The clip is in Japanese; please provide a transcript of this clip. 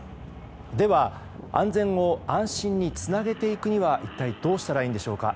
では、安全を安心につなげていくには一体どうしたらいいんでしょうか。